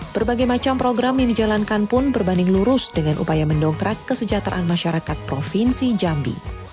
berbagai macam program yang dijalankan pun berbanding lurus dengan upaya mendongkrak kesejahteraan masyarakat provinsi jambi